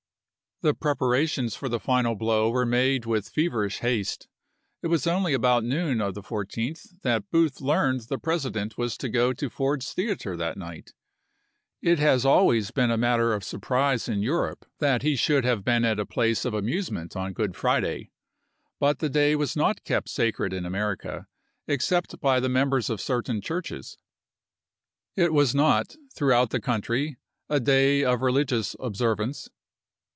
The preparations for the final blow were made with feverish haste ; it was only about noon of the 14th that Booth learned the President was to go to Ford's Theater that night. It has always been a matter of surprise in Europe that he should have 292 ABRAHAM LINCOLN <chap. xiv. been at a place of amusement on Good Friday ; but the day was not kept sacred in America, except by the members of certain churches. It was not, throughout the country, a day of religious observ ance.